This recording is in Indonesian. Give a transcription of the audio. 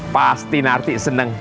pasti narti seneng